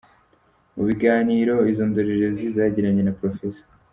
Mu biganiro izo ndorerezi zagiranye na Prof.